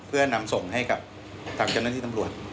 เพื่อนำส่งให้กับทางกำเนิดที่ตรรวจ